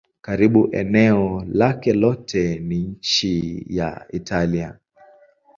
Karibu eneo lake lote ni nchi ya Italia.